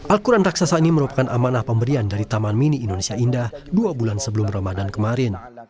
al quran raksasa ini merupakan amanah pemberian dari taman mini indonesia indah dua bulan sebelum ramadan kemarin